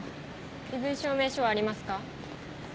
身分証明書ありますか？